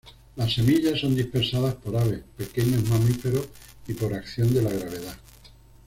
Las semillas son dispersadas por aves, pequeños mamíferos, y por acción de la gravedad.